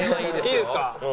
いいですか？